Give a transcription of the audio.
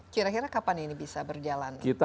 kira kira kapan ini bisa berjalan